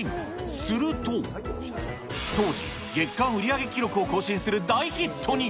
すると、当時、月間売り上げ記録を更新する大ヒットに。